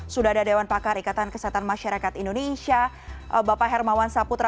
sudah ada dewan pakar ikatan kesehatan masyarakat indonesia bapak hermawan saputra